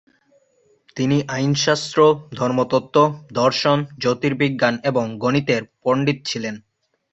তিনি আইনশাস্ত্র, ধর্মতত্ত্ব, দর্শন, জ্যোতির্বিজ্ঞান এবং গণিতের পণ্ডিত ছিলেন।